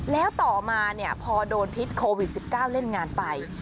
แล้วต่อมาพอโดนพิษโควิด๑๙เล่นงานไป